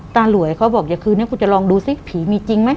หลวยเขาบอกอย่าคืนนี้คุณจะลองดูซิผีมีจริงไหม